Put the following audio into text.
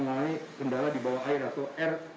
mengalami kendala di bawah air atau air